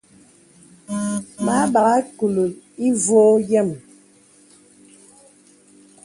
Mə a bagha kùlì ìvɔ̄ɔ̄ yəm.